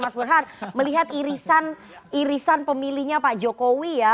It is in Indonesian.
mas burhan melihat irisan pemilihnya pak jokowi ya